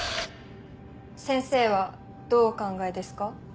先生はどうお考えですか？